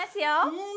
うん！